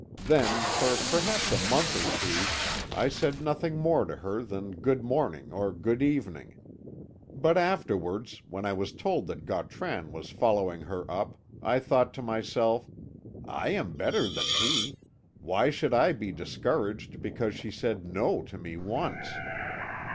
Then, for perhaps a month or two, I said nothing more to her than good morning or good evening. But afterwards, when I was told that Gautran was following her up, I thought to myself, 'I am better than he; why should I be discouraged because she said "No" to me once?'